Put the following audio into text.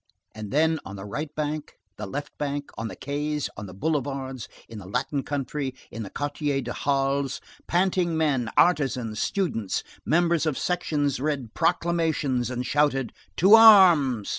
And then on the right bank, the left bank, on the quays, on the boulevards, in the Latin country, in the quarter of the Halles, panting men, artisans, students, members of sections read proclamations and shouted: "To arms!"